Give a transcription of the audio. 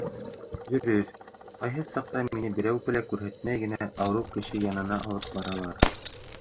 Дөрөҫ, ҡайһы сакта мине берәүгә лә күрһәтмәй генә ауырыу кеше янына алып баралар.